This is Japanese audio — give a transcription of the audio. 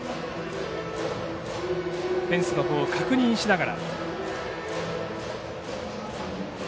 フェンスのほうを確認しながら。